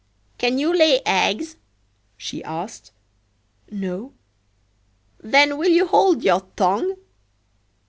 "Can you lay eggs?" she asked,"No.""Then will you hold your tongue!"